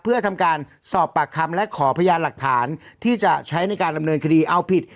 เพื่อทำการสอบปากคำและขอพยานหลักฐานที่จะใช้ในการดำเนินคดีเอาผิด